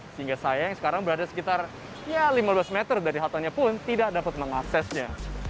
sehingga saya yang sekarang berada sekitar lima belas meter dari haltenya pun tidak dapat mengaksesnya